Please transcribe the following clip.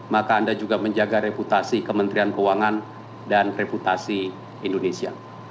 maka anda juga menjaga reputasi kementerian keuangan dan reputasi indonesia